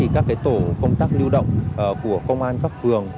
các tổ công tác lưu động của công an các phường